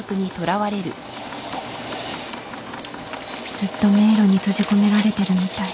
ずっと迷路に閉じ込められてるみたい